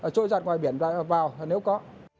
trôi dạt ngoài biển vào nếu có